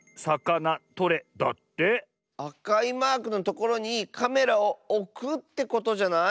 あかいマークのところにカメラをおくってことじゃない？